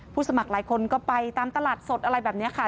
สมัครหลายคนก็ไปตามตลาดสดอะไรแบบนี้ค่ะ